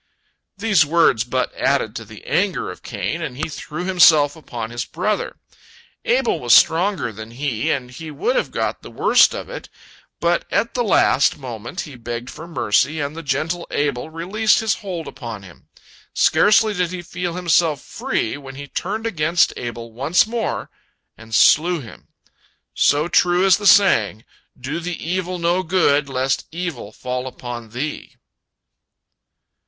These words but added to the anger of Cain, and he threw himself upon his brother. Abel was stronger than he, and he would have got the worst of it, but at the last moment he begged for mercy, and the gentle Abel released his hold upon him. Scarcely did he feel himself free, when he turned against Abel once more, and slew him. So true is the saying, "Do the evil no good, lest evil fall upon thee."